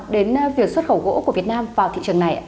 đến việc xuất khẩu gỗ của việt nam vào thị trường này